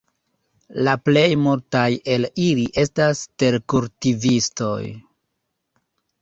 La plej multaj el ili estas terkultivistoj.